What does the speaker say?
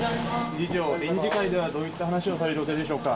理事長、臨時会ではどういった話をされる予定でしょうか？